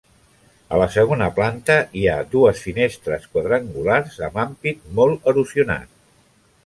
A la segona planta hi ha dues finestres quadrangulars amb ampit molt erosionat.